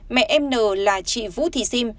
mẹ mn là chị vũ thị sim